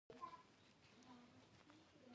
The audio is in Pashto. په ځینو سترګو کې داسې معصومیت وي چې هر څوک یې جذب کړي.